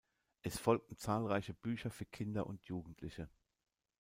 Es folgten zahlreiche Bücher für Kinder und Jugendliche.